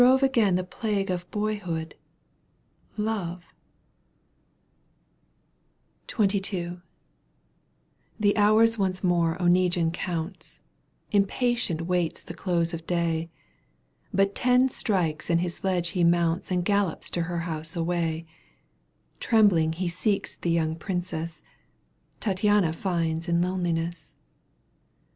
XXIL The hours once more Oneguine counts, Impatient waits the close of day, But ten strikes and his sledge he mounts And gallops to her house away. Trembling he seeks the young princess — Tattiana finds in loneliness.